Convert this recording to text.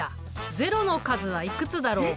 ゼロの数はいくつだろうか？